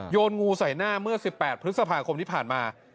นงูใส่หน้าเมื่อ๑๘พฤษภาคมที่ผ่านมา